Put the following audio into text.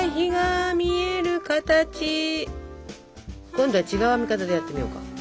今度は違う編み方でやってみようか。